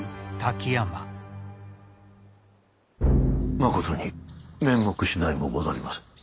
まことに面目次第もござりませぬ。